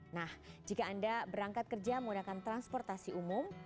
nah jika anda berangkat kerja menggunakan transportasi umum